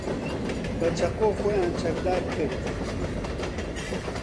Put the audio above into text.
بە چەقۆ خۆیان چەکدار کرد.